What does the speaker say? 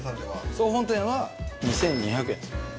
総本店は２２００円です。